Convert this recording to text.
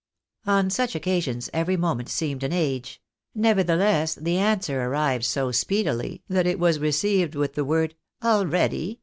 On such occasions every moment seems an age ; nevertheless, the answer arrived so speedily, that it was received with the word " already